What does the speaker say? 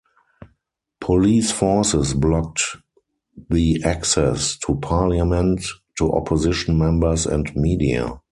Police forces blocked the access to parliament to opposition members and media.